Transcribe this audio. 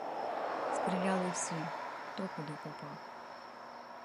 Стріляли всі, хто куди попав.